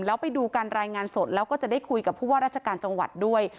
แล้วไปดูการรายงานสดแล้วก็จะได้คุยกับผู้ว่าราชการจังหวัดด้วย